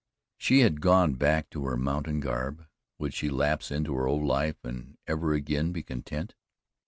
She had gone back to her mountain garb would she lapse into her old life and ever again be content?